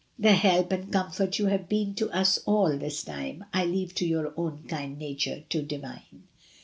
The help and com fort you have been to us all this time I leave to your own kind nature to divine."